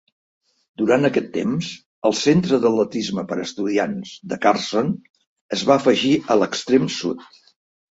Durant aquest temps, el Centre d'Atletisme per a Estudiants de Carson es va afegir a l'extrem sud.